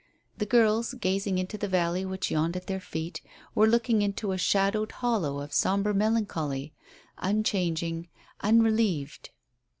The girls, gazing into the valley which yawned at their feet, were looking into a shadowed hollow of sombre melancholy unchanging, unrelieved.